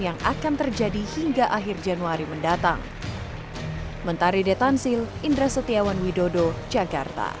yang akan terjadi hingga akhir januari mendatang